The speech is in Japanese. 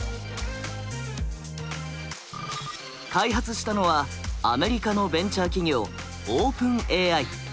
開発したのはアメリカのベンチャー企業ＯｐｅｎＡＩ。